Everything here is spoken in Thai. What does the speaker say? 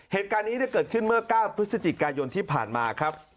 เหตุการณ์นี้เกิดขึ้นเมื่อ๙พฤศจิกายนที่ผ่านมาครับ